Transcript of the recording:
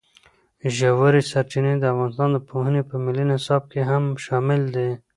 ژورې سرچینې د افغانستان د پوهنې په ملي نصاب کې هم شامل دي.